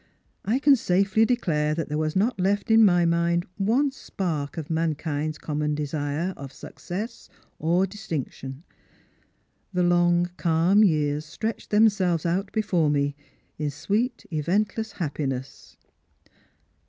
I can safely declare that there was not left in my mind one spark of mankind's common desire of success or distinction. The long calm years stretched themselves out before me in sweet event less happiness."